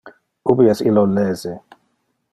Ubi es illo lese?